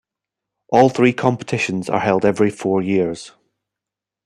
All three competitions are held every four years.